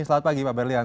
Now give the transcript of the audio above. selamat pagi pak berlian